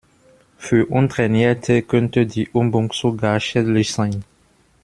Für Untrainierte könnte die Übung sogar schädlich sein.